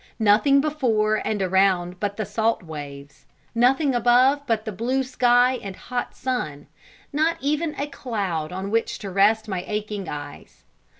Nothing before and around but the salt waves nothing above but the blue sky and hot sun not even a cloud on which to rest my aching eyes.